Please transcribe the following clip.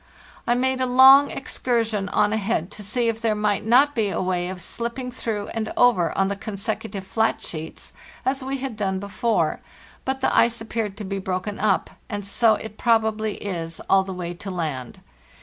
I made a long excursion on ahead to see if there might not be a way of slipping through and over on the consecutive flat sheets as we had done before; but the ice appeared to be broken up, and so it probably is all the way to land.